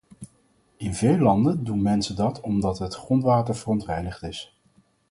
In veel landen doen mensen dat omdat het grondwater verontreinigd is.